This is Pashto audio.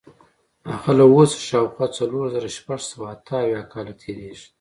هغه له اوسه شاوخوا څلور زره شپږ سوه اته اویا کاله تېرېږي.